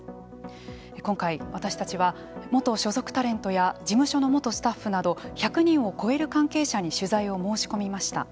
今回、私たちは元所属タレントや事務所の元スタッフなど１００人を超える関係者に取材を申し込みました。